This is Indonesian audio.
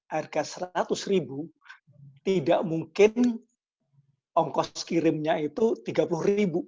harga seratus ribu tidak mungkin ongkos kirimnya itu rp tiga puluh ribu